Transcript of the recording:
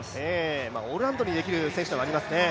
オールラウンドにできる選手ではありますね。